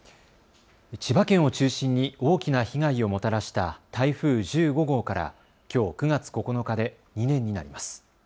千葉県を中心に大きな被害をもたらした台風１５号からきょう９月９日で２年になります。